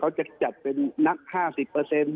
เขาจะจัดเป็นนับ๕๐